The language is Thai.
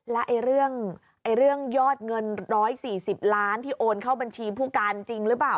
และเรื่องยอดเงิน๑๔๐ล้านที่โอนเข้าบัญชีผู้การจริงหรือเปล่า